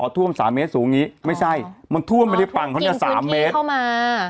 ท่วมสามเมตรสูงงี้ไม่ใช่มันท่วมไปที่ฝั่งเพราะเนี้ยสามเมตรเข้ามา